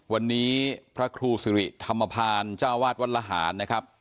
วันนี้พระครูสิริธรรมพาณจ้าวาสวัดละหาร